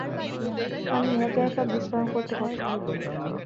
আমি একা-একা বিশ্রাম করতে পছন্দ করি।